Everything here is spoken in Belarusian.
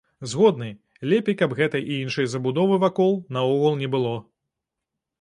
Згодны, лепей, каб гэтай і іншай забудовы вакол наогул не было.